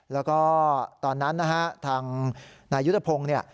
แล้วก็ตอนนั้นนะฮะทางนายยุทธพงศ์เนี่ย